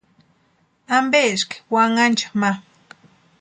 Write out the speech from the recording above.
¿Ampeski wanhancha ma?